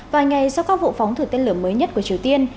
vài ngày sau các vụ phóng thử tên lửa mới nhất của triều tiên